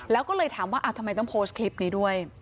แล้วก็เลยถามว่าทำไมต้องโพสต์คลิปนี้ด้วย